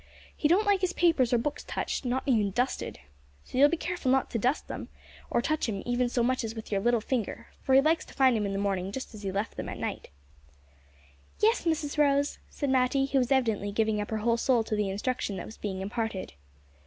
"He don't like his papers or books touched; not even dusted! So you'll be careful not to dust 'em, nor to touch 'em even so much as with your little finger, for he likes to find 'em in the mornin' just as he left 'em at night." "Yes, Mrs Rose," said Matty, who was evidently giving up her whole soul to the instruction that was being imparted.